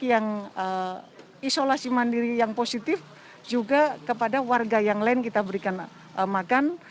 yang isolasi mandiri yang positif juga kepada warga yang lain kita berikan makan